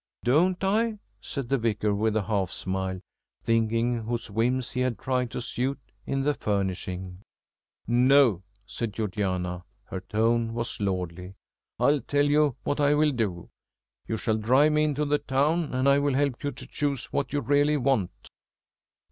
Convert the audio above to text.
"Don't I?" said the Vicar with a half smile, thinking whose whims he had tried to suit in the furnishing. "No," said Georgiana. Her tone was lordly. "I'll tell you what I will do. You shall drive me into the town, and I will help you to choose what you really want."